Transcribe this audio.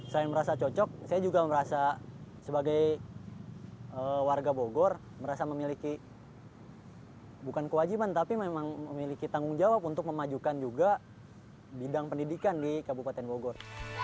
saya merasa cocok saya juga merasa sebagai warga bogor merasa memiliki bukan kewajiban tapi memang memiliki tanggung jawab untuk memajukan juga bidang pendidikan di kabupaten bogor